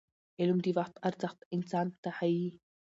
علم د وخت ارزښت انسان ته ښيي.